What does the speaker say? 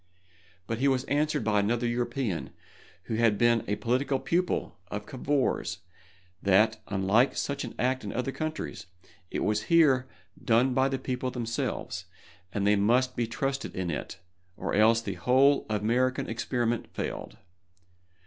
But he was answered by another European, who had been a political pupil of Cavour's, that, unlike such an act in other countries, it was here done by the people themselves, and they must be trusted in it, or else the whole American experiment failed.